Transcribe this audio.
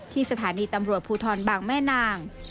สถานีตำรวจภูทรบางแม่นาง